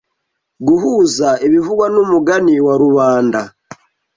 Guhuza ibivugwa numugani wa rubanda